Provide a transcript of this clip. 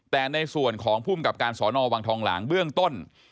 แต่ในส่วนของผู้บัญชาการสนวังทองหลังเบื้องต้น